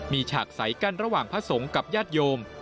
มีฉากใสกันระหว่างพระสงฆ์กับญาติโยม